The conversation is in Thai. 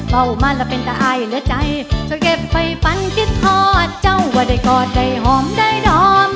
เอามาแล้วเป็นตายเหลือใจช่วยเก็บไฟฟันคิดคลอดเจ้าว่าได้กอดได้หอมได้ดอม